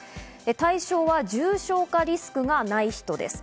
対象は重症化リスクがない人です。